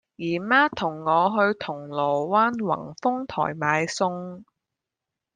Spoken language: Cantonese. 姨媽同我去銅鑼灣宏豐台買餸